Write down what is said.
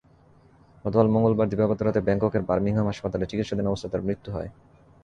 গতকাল মঙ্গলবার দিবাগত রাতে ব্যাংককের বার্মিংহাম হাসপাতালে চিকিৎসাধীন অবস্থায় তাঁর মৃত্যু হয়।